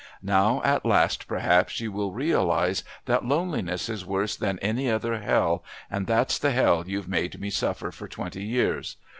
Now, at last, perhaps, you will realise that loneliness is worse than any other hell, and that's the hell you've made me suffer for twenty years.